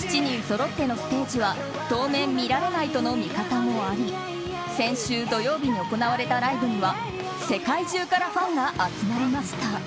７人そろってのステージは当面見られないとの見方もあり先週土曜日に行われたライブには世界中からファンが集まりました。